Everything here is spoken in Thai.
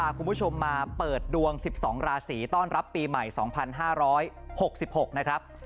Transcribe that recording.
คุณผู้ชมมาเปิดดวง๑๒ราศีต้อนรับปีใหม่๒๕๖๖นะครับ